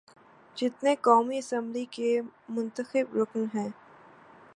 جتنے قومی اسمبلی کے منتخب رکن ہیں۔